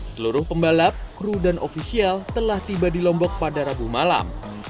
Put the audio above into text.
seluruh pembalap kru dan ofisial telah tiba di lombok pada rabu malam